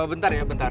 bentar ya bentar